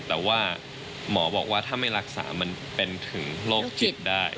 แต่ว่าหมอบอกว่าถ้าไม่รักษามันเป็นถึงโรคจิตได้